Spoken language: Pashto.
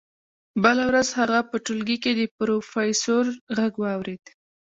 بله ورځ هغه په ټولګي کې د پروفیسور غږ واورېد